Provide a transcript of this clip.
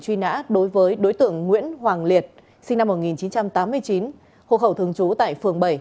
truy nã đối với đối tượng nguyễn hoàng liệt sinh năm một nghìn chín trăm tám mươi chín hộ khẩu thường trú tại phường bảy